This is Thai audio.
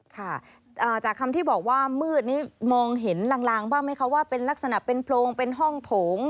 ค่ะจากคำที่บอกว่ามืดนี้มองเห็นลางบ้างไหมคะว่าเป็นลักษณะเป็นโพรงเป็นห้องโถง